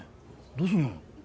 どうすんの？